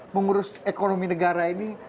mengurus ekonomi negara ini